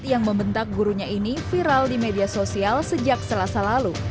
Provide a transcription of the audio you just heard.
yang membentak gurunya ini viral di media sosial sejak selasa lalu